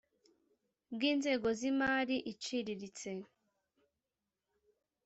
bw inzego z imari iciriritse